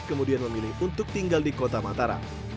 kemudian memilih untuk tinggal di kota mataram